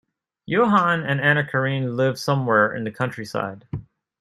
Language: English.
Johan and Anna-Karin live somewhere in the countryside.